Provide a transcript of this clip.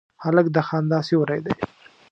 هلک د خندا سیوری دی.